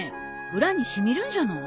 裏に染みるんじゃない？